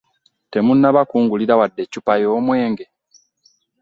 Temunnaba kungulira wadde eccupa y'omwenge!